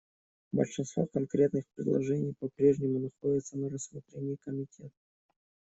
Большинство конкретных предложений по-прежнему находится на рассмотрении Комитета.